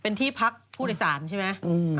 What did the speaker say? เป็นที่พักผู้โดยสารใช่ไหม